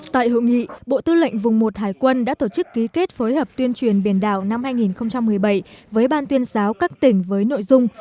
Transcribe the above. tại hội nghị bộ tư lệnh vùng một hải quân đã tổ chức ký kết phối hợp tuyên truyền biển đảo năm hai nghìn một mươi bảy với ban tuyên giáo các tỉnh với nội dung